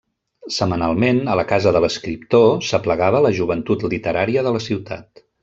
Setmanalment a la casa de l'escriptor s'aplegava la joventut literària de la ciutat.